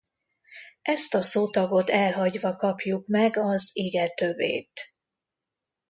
Ezt a szótagot elhagyva kapjuk meg az ige tövét.